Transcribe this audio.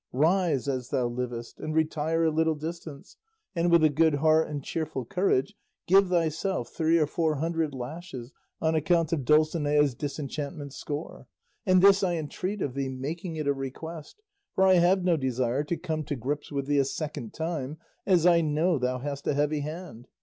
Rise as thou livest, and retire a little distance, and with a good heart and cheerful courage give thyself three or four hundred lashes on account of Dulcinea's disenchantment score; and this I entreat of thee, making it a request, for I have no desire to come to grips with thee a second time, as I know thou hast a heavy hand.